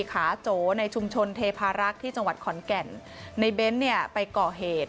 ขาโจในชุมชนเทพารักษ์ที่จังหวัดขอนแก่นในเบ้นเนี่ยไปก่อเหตุ